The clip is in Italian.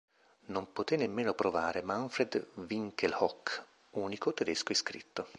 Non poté nemmeno provare Manfred Winkelhock, unico tedesco iscritto.